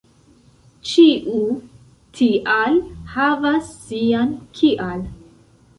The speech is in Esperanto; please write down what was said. Ĉiu "tial" havas sian "kial."